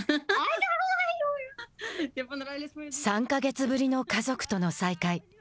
３か月ぶりの家族との再会。